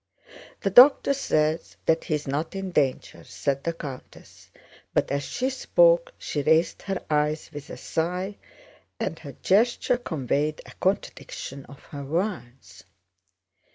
"The doctor says that he is not in danger," said the countess, but as she spoke she raised her eyes with a sigh, and her gesture conveyed a contradiction of her words.